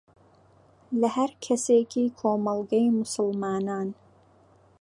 لە هەر کەسێکی کۆمەڵگەی موسڵمانان